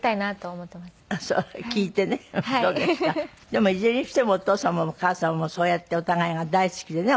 でもいずれにしてもお父様もお母様もそうやってお互いが大好きでね